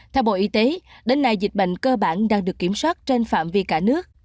theo bộ y tế đến nay dịch bệnh cơ bản đang được kiểm soát trên phạm vi cả nước